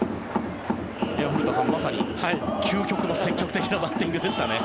古田さん、まさに究極の積極的なバッティングでしたね。